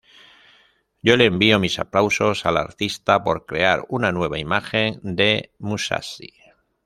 Yo le envío mis aplausos al artista por crear una nueva imagen de Musashi.